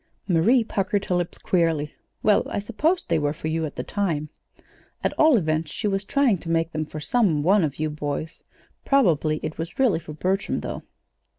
_" Marie puckered her lips queerly. "Well, I supposed they were for you at the time. At all events she was trying to make them for some one of you boys; probably it was really for Bertram, though."